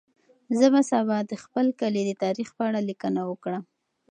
زه به سبا د خپل کلي د تاریخ په اړه لیکنه وکړم.